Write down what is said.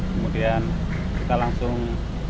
kemudian kita langsung